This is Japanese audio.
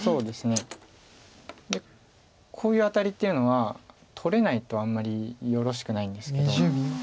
でこういうアタリっていうのは取れないとあんまりよろしくないんですけど。